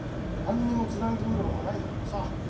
何にもつなぎ止めるものがないんだからさ。